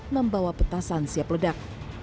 membawa petasan siap ledak